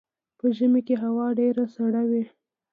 په ژمي کې هوا ډیره سړه وي